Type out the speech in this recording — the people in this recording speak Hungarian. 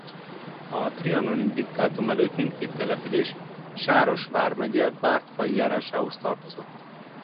A trianoni diktátum előtt mindkét település Sáros vármegye Bártfai járásához tartozott.